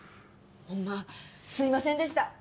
ほんますいませんでした。